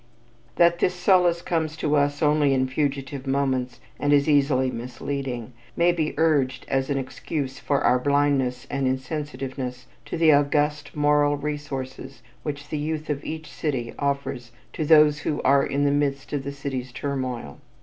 That this solace comes to us only in fugitive moments, and is easily misleading, may be urged as an excuse for our blindness and insensitiveness to the august moral resources which the youth of each city offers to those who are in the midst of the city's turmoil.